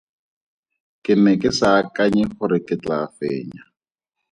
Ke ne ke sa akanya gore ke tlaa fenya.